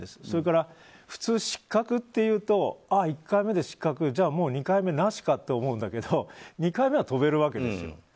それから普通、失格っていうと１回目で失格じゃあ２回目なしかって思うんですけど２回目は飛べるわけですよ。